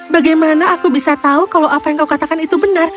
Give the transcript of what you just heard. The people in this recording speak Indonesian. bagaimana aku bisa tahu kalau apa yang kau katakan itu benar